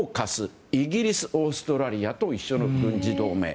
イギリス、オーストラリアと一緒の軍事同盟。